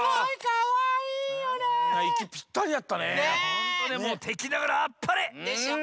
ホントでもてきながらあっぱれ！でしょ？